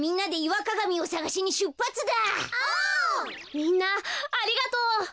みんなありがとう。